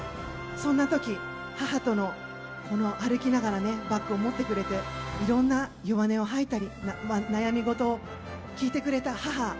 そんな時、母と歩きながらバッグを持ってくれていろんな弱音をはいたり悩み事を聞いてくれた母。